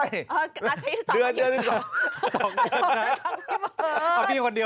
อ่าเมื่ออาทิตย์